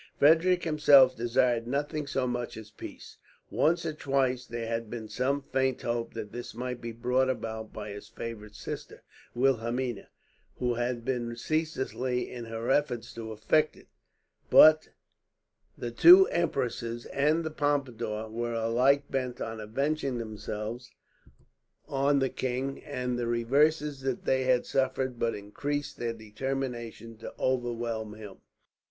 Frederick himself desired nothing so much as peace. Once or twice there had been some faint hope that this might be brought about by his favourite sister, Wilhelmina, who had been ceaseless in her efforts to effect it; but the two empresses and the Pompadour were alike bent on avenging themselves on the king, and the reverses that they had suffered but increased their determination to overwhelm him.